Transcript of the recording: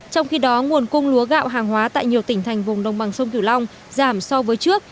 trong khi đó nguồn cung lúa gạo hàng hóa tại nhiều tỉnh thành vùng đồng bằng sông kiều long giảm so với trước